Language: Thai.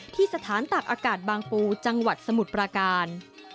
ที่สถานตักอากาศบางปูจังหวัดสมุทรปราการ